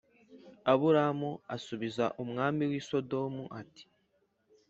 Aburamu asubiza umwami w i Sodomu ati